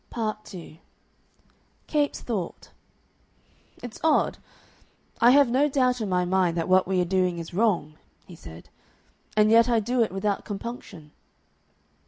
Part 2 Capes thought. "It's odd I have no doubt in my mind that what we are doing is wrong," he said. "And yet I do it without compunction."